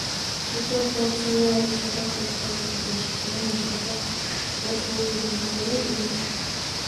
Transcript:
Շուտով դարձել է առաջատար խորհրդային տնտեսությունում աշխատող կթվորուհիների մեջ։